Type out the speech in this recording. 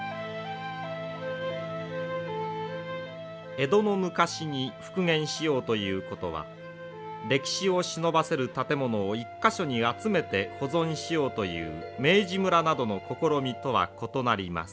江戸の昔に復元しようということは歴史をしのばせる建物を１か所に集めて保存しようという明治村などの試みとは異なります。